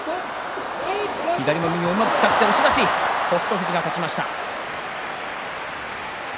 富士が勝ちました。